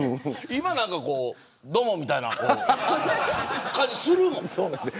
今はどうも、みたいな感じするもん。